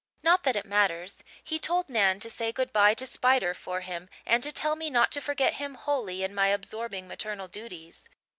Not that it matters; he told Nan to say good bye to Spider for him and tell me not to forget him wholly in my absorbing maternal duties.